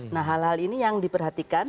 nah hal hal ini yang diperhatikan